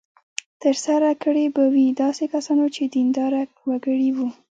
ترسره کړې به وي داسې کسانو چې دینداره وګړي وو.